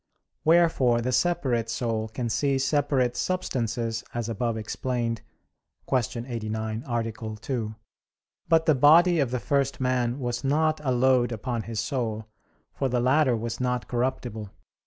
Wherefore the separate soul can see separate substances, as above explained (Q. 89, A. 2). But the body of the first man was not a load upon his soul; for the latter was not corruptible.